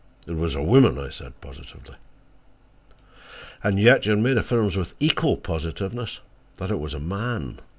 "It was a woman," I said positively. "And yet your maid affirms with equal positiveness that it was a man."